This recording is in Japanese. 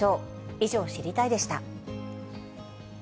以上、知りたいッ！でした。